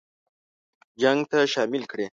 جنګ ته شامل کړي.